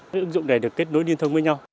các ứng dụng này được kết nối liên thông với nhau